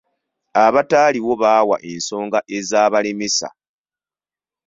Abataaliwo baawa ensonga ezabalemesa.